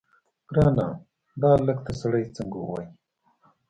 ګرانه دا الک ته سړی څنګه ووايي.